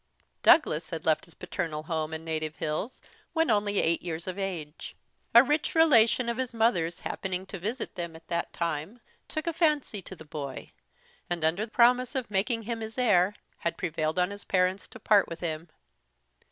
Douglas had left his paternal home and native hills when only eight years of age. A rich relation of his mother's happening to visit them at that time, took a fancy to the boy; and, under promise of making him his heir, had prevailed on his parents to part with him.